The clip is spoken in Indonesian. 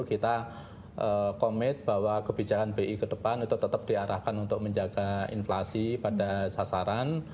kita komit bahwa kebijakan bi ke depan itu tetap diarahkan untuk menjaga inflasi pada sasaran